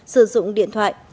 sử dụng điện thoại